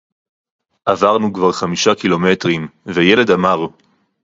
עָבַרְנוּ כְּבָר חֲמִשָּׁה קִילוֹמֶטְרִים וְיֶלֶד אָמַר